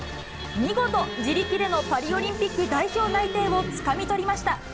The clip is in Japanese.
見事、自力でのパリオリンピック代表内定をつかみ取りました。